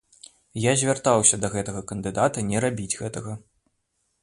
Я звяртаўся да гэтага кандыдата не рабіць гэтага.